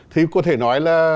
thì có thể nói là